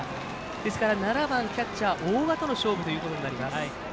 ですから７番、キャッチャー大賀との勝負になります。